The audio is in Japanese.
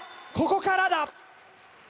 ここからだ。